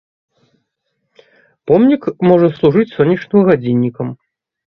Помнік можа служыць сонечным гадзіннікам.